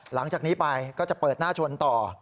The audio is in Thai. หลังจากนี้ไปก็จะเปิดหน้าชนต่อ